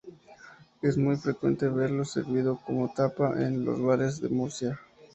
Es muy frecuente verlo servido como tapa en los bares de Murcia.